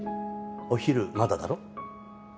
お昼まだだろ？